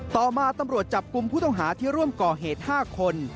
ต่อมาตำรวจจับกลุ่มผู้ต้องหาที่ร่วมก่อเหตุ๕คน